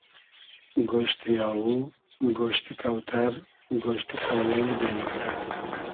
گۉشتی آوو, گۉشتی کۆتئر, گۉشتی تۆلݷ بې مئزۂ